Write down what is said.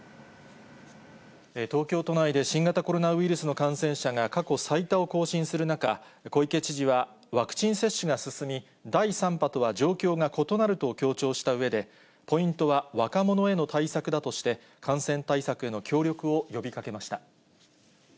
東京都内で新型コロナウイルスの感染者が過去最多を更新する中、小池知事はワクチン接種が進み、第３波とは状況が異なると強調したうえで、ポイントは若者への対策だとして、感染対策への協力を呼びかけました。